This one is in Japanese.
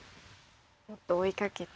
もっと追いかけて。